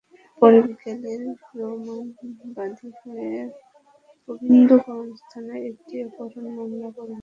পরে বিকেলে রোমানা বাদী হয়ে গোবিন্দগঞ্জ থানায় একটি অপহরণ মামলা করেন।